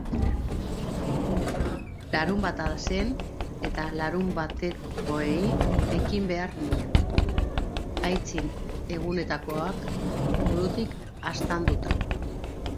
Larunbata zen eta larunbatekoei ekin behar nien, aitzin egunetakoak burutik hastanduta.